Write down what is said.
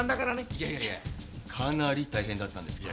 いやいやいやかなり大変だったんですけど。